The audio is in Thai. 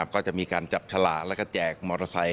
ก็จะมีการจับฉลากแล้วก็แจกมอเตอร์ไซค